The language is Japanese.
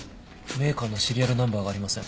メーカーのシリアルナンバーがありません。